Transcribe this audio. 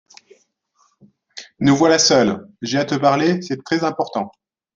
Nous voilà seuls, j’ai à te parler ; c’est très important.